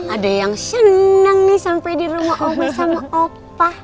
ada yang senang nih sampai di rumah opa sama opa